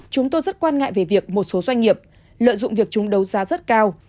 chúng tôi rất quan ngại về việc một số doanh nghiệp lợi dụng việc chúng đấu giá rất cao